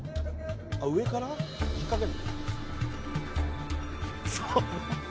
あっ上から引っ掛けるの？